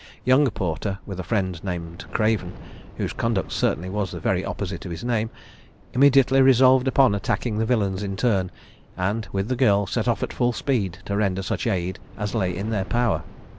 Young Porter, with a friend named Craven, (whose conduct certainly was the very opposite of his name,) immediately resolved upon attacking the villains in turn, and, with the girl, set off at full speed to render such aid as lay in their power.